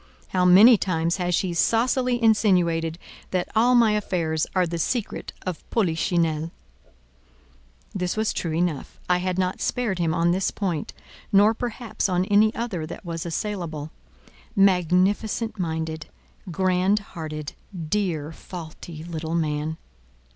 How many times has she saucily insinuated that all my affairs are the secret of Polichinelle!" This was true enough: I had not spared him on this point, nor perhaps on any other that was assailable. Magnificent minded, grand hearted, dear, faulty little man!